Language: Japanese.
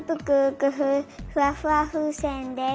ふわふわふうせんです。